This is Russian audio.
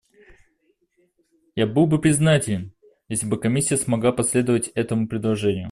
Я был бы признателен, если бы Комиссия смогла последовать этому предложению.